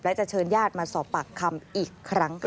และจะเชิญญาติมาสอบปากคำอีกครั้งค่ะ